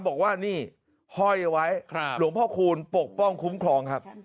บอกว่านี่ห้อยเอาไว้หลวงพ่อคูณปกป้องคุ้มครองครับ